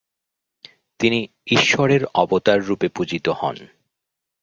তিনি ঈশ্বরের অবতাররূপে পূজিত হন।